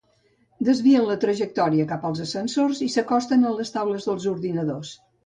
Desvien la trajectòria cap als ascensors i s'acosten a les taules dels ordinadors.